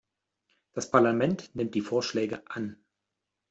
Das Parlament nimmt die Vorschläge an.